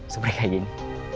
seperti kayak gini